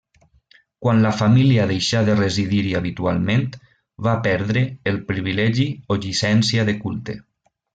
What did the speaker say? Quan la família deixà de residir-hi habitualment va perdre el privilegi o llicència de culte.